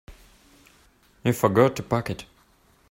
You forgot to pack it.